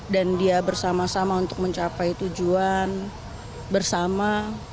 dan dia bersama sama untuk mencapai tujuan bersama